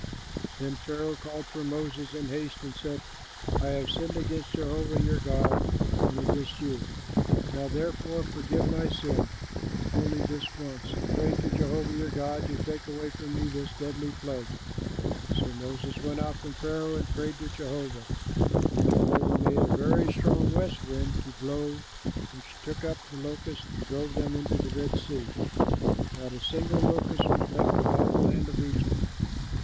Then Pharaoh called for Moses in haste and said, "I have sinned against Jehovah your God and against you. Now therefore forgive my sin only this once, and pray to Jehovah your God to take away from me this deadly plague." So Moses went out from Pharaoh and prayed to Jehovah, and Jehovah made a very strong west wind to blow which took up the locusts and drove them into the Red Sea; not a single locust was left in all the land of Egypt.